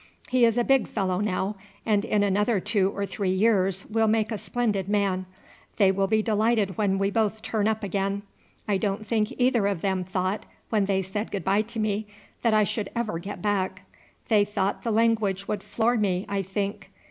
He is a big fellow now, and in another two or three years will make a splendid man. They will be delighted when we both turn up again. I don't think either of them thought, when they said good bye to me, that I should ever get back. They thought the language would floor me, I think.